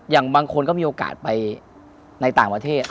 อย่างบางคนก็มีโอกาสไปในต่างประเทศ